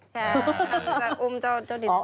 ใช่อุ้มเจ้าดิน